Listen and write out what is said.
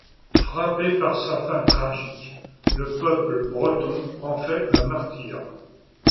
Frappé par sa fin tragique, le peuple breton en fait un martyr.